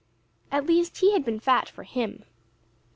At least, he had been fat for him.